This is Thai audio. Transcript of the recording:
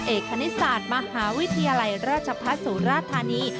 เอกคณิตศาสตร์มหาวิทยาลัยราชภาษุราชธานี